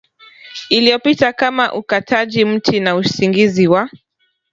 iliyopita kama ukataji miti na usingizi wa